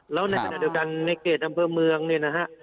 แล้วในขณะเดียวกันในเขตอำเภอเมืองเนี่ยนะฮะ